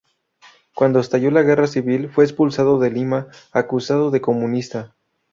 Cuando estalló la guerra civil fue expulsado de Lima, acusado de comunista.